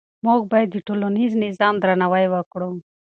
موږ باید د ټولنیز نظام درناوی وکړو.